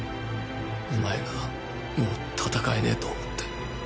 おまえがもう戦えねぇと思って。